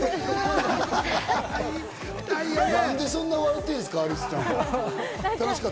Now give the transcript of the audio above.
何でそんな笑ってるんですか？